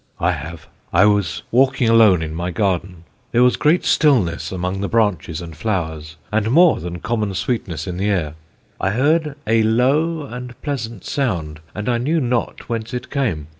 "I have!... I was walking alone in my garden; there was great stillness among the branches and flowers, and more than common sweetness in the air; I heard a low and pleasant sound, and I knew not whence it came.